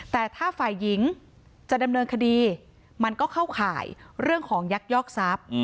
แต่ถ้าฝ่ายหญิงจะดำเนินคดีมันก็เข้าข่ายเรื่องของยักยอกทรัพย์